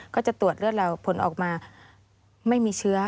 ก็จะตรวจเลือดเราผลออกมาไม่มีเชื้อ